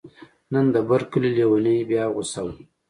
نن د بر کلي لیونی بیا غوسه و